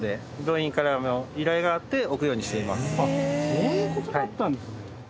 そういう事だったんですね。